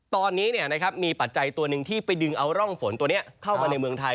ตอนนี้มีปัจจัยตัวหนึ่งที่ไปดึงเอาร่องฝนตัวนี้เข้ามาในเมืองไทย